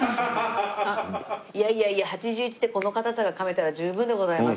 いやいやいや８１でこの硬さが噛めたら十分でございます。